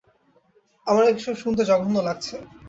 আমার এসব শুনতে জঘন্য লাগছে।